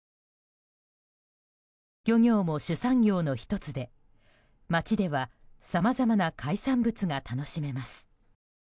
漁業も主産業の１つで街ではさまざまな海産物が楽しめます。